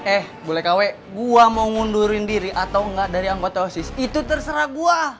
eh boleh kw gua mau ngundurin diri atau enggak dari anggota osis itu terserah gue